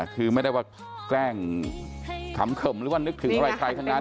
คือไม่ได้ว่าแกล้งขำเขิมหรือว่านึกถึงอะไรใครทั้งนั้น